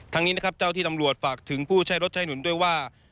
นี้นะครับเจ้าที่ตำรวจฝากถึงผู้ใช้รถใช้หนุนด้วยว่า